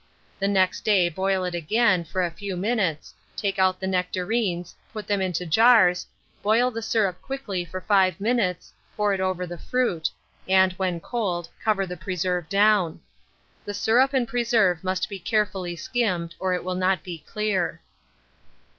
The next day boil it again for a few minutes, take out the nectarines, put them into jars, boil the syrup quickly for 5 minutes, pour it over the fruit, and, when cold, cover the preserve down. The syrup and preserve must be carefully skimmed, or it will not be clear.